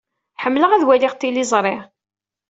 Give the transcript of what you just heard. Ḥemmleɣ ad waliɣ tiliẓri.